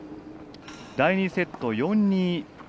第２セット、４−２。